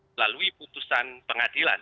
melalui putusan pengadilan